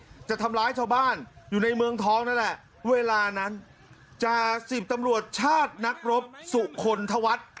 จะทำร้ายชาวบ้านอยู่ในเมืองท้องนั่นแหละเวลานั้นจ่าสิบตำรวจชาตินักรบสุคลธวัฒน์